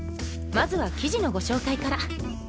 まずは生地のご紹介から。